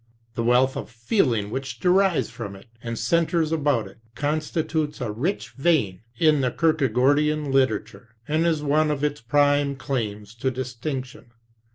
The wealth of feeling which derives from it and centers about it constitutes a rich vein in the Kierkegaardian literature, and is one of its prime claims to distinction.